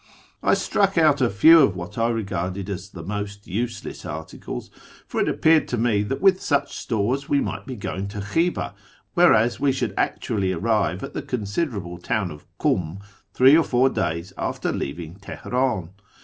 I struck out a few of what I regarded as the most useless articles, for it appeared to me that with such stores we might be going to Khiva, whereas we should actually arrive at IS6 A YEAR AA/ONGST THE PERSIANS the considerable town of Kum tlirei' or lour days aCter leaving Teheran.